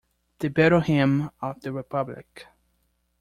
The Battle Hymn of the Republic.